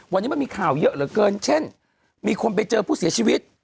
วันนี้มันมีข่าวเยอะเหลือเกินเช่นมีคนไปเจอผู้เสียชีวิต